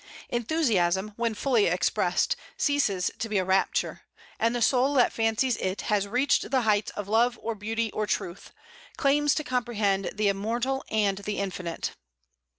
Enthusiasm, when fully expressed, ceases to be a rapture; and the soul that fancies it has reached the heights of love or beauty or truth, claims to comprehend the immortal and the infinite.